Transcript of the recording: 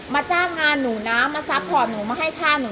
จ้างงานหนูนะมาซัพพอร์ตหนูมาให้ค่าหนู